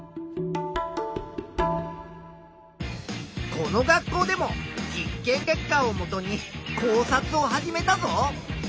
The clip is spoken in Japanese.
この学校でも実験結果をもとに考察を始めたぞ。